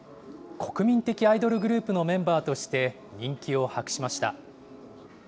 国民的アイドルグループのメンバーとして、人気を博しました。